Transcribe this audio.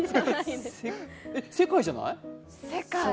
世界じゃない？